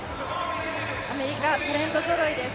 アメリカ、タレントぞろいです。